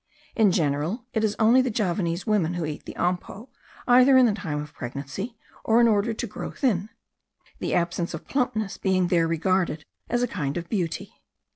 In general it is only the Javanese women who eat the ampo, either in the time of pregnancy, or in order to grow thin; the absence of plumpness being there regarded as a kind of beauty.